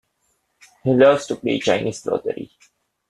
He loved to play Chinese lottery.